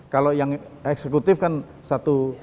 kalau yang eksekutif kan satu